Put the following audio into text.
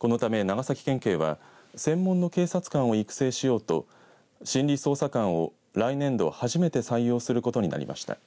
このため長崎県警は専門の警察官を育成しようと心理捜査官を来年度、初めて採用することになりました。